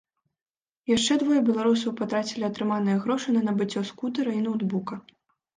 Яшчэ двое беларусаў патрацілі атрыманыя грошы на набыццё скутэра і ноўтбука.